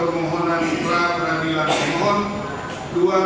dan penahanan terhadap dalan iskan telah sah di mata hukum